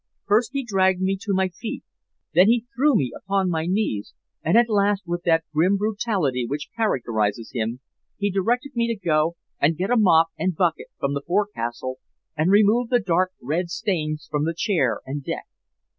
First he dragged me to my feet, then he threw me upon my knees, and at last, with that grim brutality which characterizes him, he directed me to go and get a mop and bucket from the forecastle and remove the dark red stains from the chair and deck.